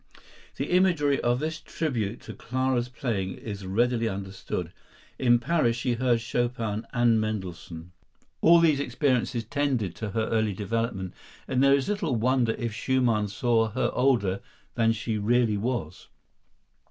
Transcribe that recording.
The imagery of this tribute to Clara's playing is readily understood. In Paris she heard Chopin and Mendelssohn. All these experiences tended to her early development, and there is little wonder if Schumann saw her older than she really was.